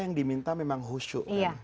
yang diminta memang husu